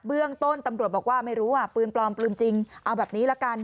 เบื้องต้นตำรวจบอกว่าไม่รู้ว่าปืนปลอมปืนจริงเอาแบบนี้ละกัน